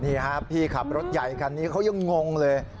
นี่ครับพี่ขับรถใหญ่คันนี้เขายังงงเลย